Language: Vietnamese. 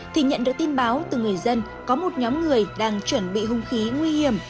thì nhận được tin báo từ người dân có một nhóm người đang chuẩn bị hung khí nguy hiểm